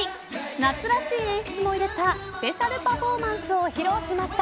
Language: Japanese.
夏らしい演出も入れたスペシャルパフォーマンスを披露しました。